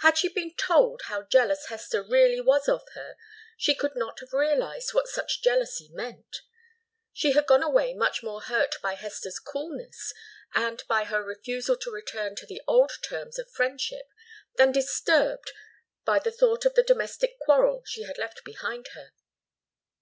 Had she been told how jealous Hester really was of her, she could not have realized what such jealousy meant. She had gone away much more hurt by Hester's coolness, and by her refusal to return to the old terms of friendship, than disturbed by the thought of the domestic quarrel she had left behind her.